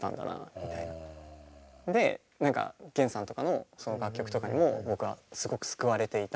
で何か源さんとかのその楽曲とかにも僕はすごく救われていたので。